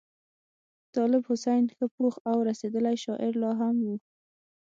طالب حسین ښه پوخ او رسېدلی شاعر لا هم وو.